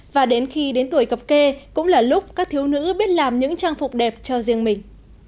và đến khi đến tuổi cập kê cũng là lúc các thiếu nữ biết làm những trang phục đẹp cho riêng mình